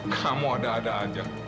kamu ada ada aja